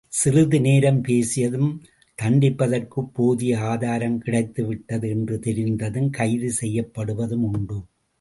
சிறிது நேரம் பேசியதும், தண்டிப்பதற்குப் போதிய ஆதாரம கிடைத்துவிட்டது என்று தெரிந்ததும் கைது செய்யப்படுவதும் உண்டு.